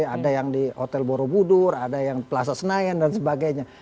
ada yang di hotel borobudur ada yang plaza senayan dan sebagainya